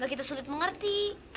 gak kita sulit mengerti